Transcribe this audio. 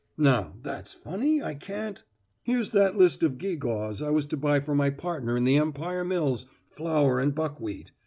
Now, that's funny I can't here's that list of geegaws I was to buy for my partner in the Empire Mills, flour and buckwheat.